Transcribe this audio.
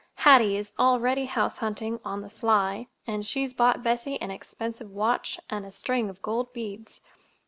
Hattie is already house hunting, on the sly, and she's bought Bessie an expensive watch and a string of gold beads.